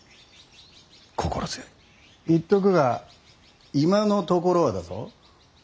言っとくが今のところはだぞ。